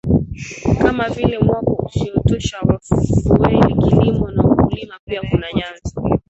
kama vile mwako usiotosha wa fueli kilimo na ukulima Pia kuna vyanzo